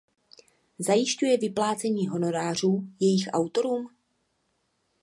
Zajišťuje vyplácení honorářů jejich autorům?